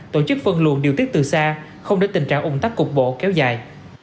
tổ chức phân luồn điều tiết từ xa không để tình trạng ủng tắc cục bộ kéo dài